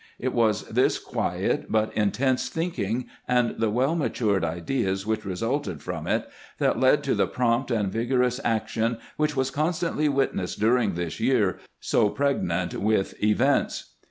It was this quiet but intense thinking, and the well matured ideas which resulted from it, that led to the prompt and vigorous action which was con stantly witnessed during this year, so pregnant with events.